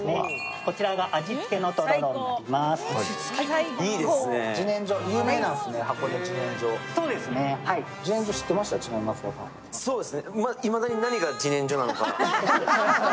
こちらが味付けのとろろになります。